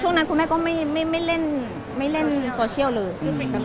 ช่วงนั้นคุณแม่ก็ไม่เล่นโซเชียลเลย